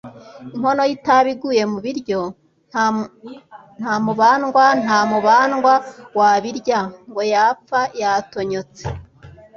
Inkono y’itabi iguye mu biryo, nta mubandwa, nta mubandwa wabirya, ngo yapfa yatonyotse